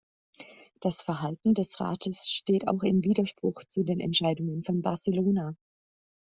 Das Verhalten des Rates steht auch im Widerspruch zu den Entscheidungen von Barcelona.